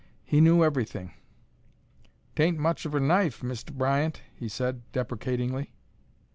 He knew everything. "'Tain't much of er knife, Mist' Bryant," he said, deprecatingly.